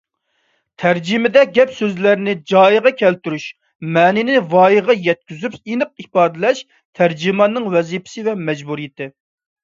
تەرجىمىدە گەپ - سۆزلەرنى جايىغا كەلتۈرۈش، مەنىنى ۋايىغا يەتكۈزۈپ ئېنىق ئىپادىلەش تەرجىماننىڭ ۋەزىپىسى ۋە مەجبۇرىيىتى.